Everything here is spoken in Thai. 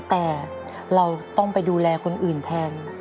แต่เราต้องไปดูแลคนอื่นแทน